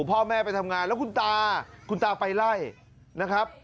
พ่อแม่ไปทำงานแล้วคุณตาคุณตาไปไล่นะครับ